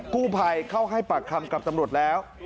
กู้ภัยเข้าให้ปากคำกับตำรวจแล้ว